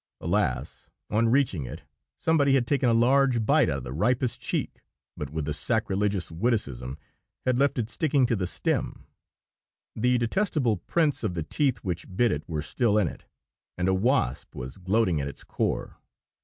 Alas! on reaching it, somebody had taken a large bite out of the ripest cheek, but with a sacrilegious witticism had left it sticking to the stem. The detestable prints of the teeth which bit it were still in it, and a wasp was gloating at its core.